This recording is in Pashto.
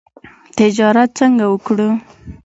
تجارت څنګه وکړو؟